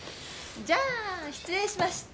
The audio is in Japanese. じゃあ失礼しました。